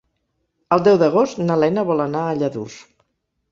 El deu d'agost na Lena vol anar a Lladurs.